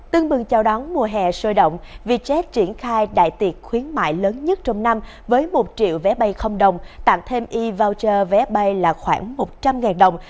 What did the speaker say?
tương bừng chào đón mùa hè sôi động vietjet triển khai đại tiệc khuyến mại lớn nhất trong năm với một triệu vé bay không đồng tặng thêm e viocher vé bay là khoảng một trăm linh đồng